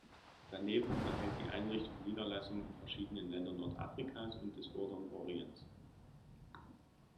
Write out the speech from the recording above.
Daneben unterhält die Einrichtungen Niederlassungen in verschiedenen Ländern Nordafrikas und des vorderen Orients.